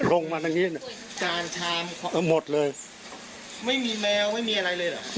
ลงมาทั้งนี้เนอะจานชามเออหมดเลยไม่มีแมวไม่มีอะไรเลยเหรอ